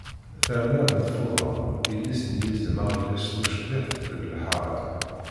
Terna-d lfuḍa, yelli-s n yizem aɣilas tucbiḥt deg lḥara.